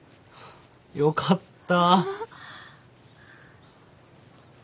よかった。